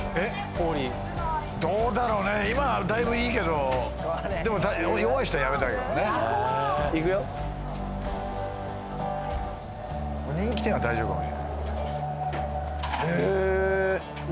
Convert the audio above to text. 氷どうだろうね今はだいぶいいけどでも弱い人はやめたほうがいいかもねいくよ人気店は大丈夫かもしれない何？